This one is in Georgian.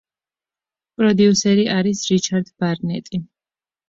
პროდიუსერი არის რიჩარდ ბარნეტი.